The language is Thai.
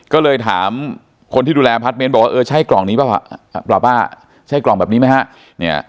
ก็เลยถามคนที่ดูแลพัสเม้นบอกว่าใช่กล่องนี้เปล่าป่ะใช่กล่องแบบนี้ไหมฮะ